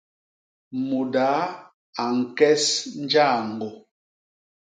Mudaa a ñkes njaañgô.